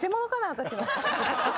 私の。